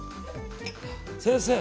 先生！